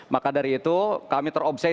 maka dari itu kami terobsesi